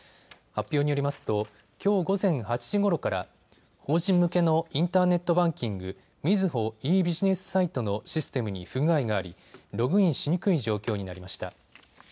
発表によりますときょう午前８時ごろから法人向けのインターネットバンキング、みずほｅービジネスサイトのシステムに不具合がありログインしにくい状況になりました。